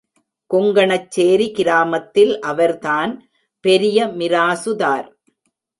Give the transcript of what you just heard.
கொங்கணச்சேரி கிராமத்தில் அவர்தான் பெரிய மிராசுதார்.